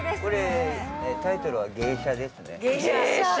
タイトルは芸者ですね。